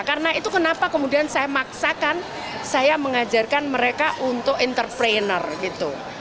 karena itu kenapa kemudian saya maksakan saya mengajarkan mereka untuk entrepreneur gitu